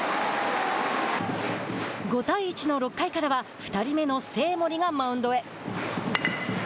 ５対１の６回からは２人目の生盛がマウンドへ。